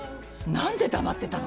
何で黙ってたの？